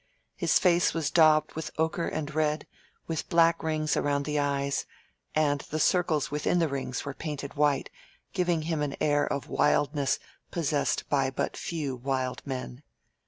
His face was daubed with ochre and red, with black rings around the eyes, and the circles within the rings were painted white, giving him an air of wildness possessed by but few wild men.